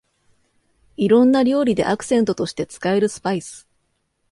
いろんな料理でアクセントとして使えるスパイス